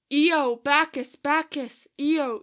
"Io! Bacchus! Bacchus! Io!